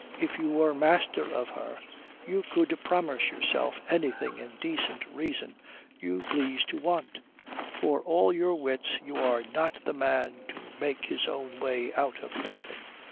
If you were master of her you could promise yourself anything in decent reason you please to want. For all your wits you are not the man to make his own way out of nothing.